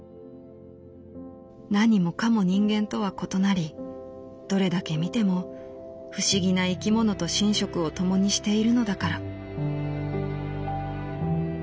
なにもかも人間とは異なりどれだけ見ても不思議な生き物と寝食を共にしているのだから」。